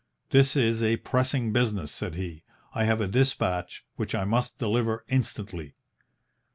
"'This is a pressing business,' said he. 'I have a despatch which I must deliver instantly.'